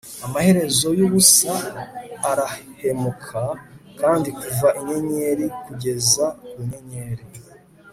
Amaherezo yubusa arahumeka kandi kuva inyenyeri kugeza ku nyenyeri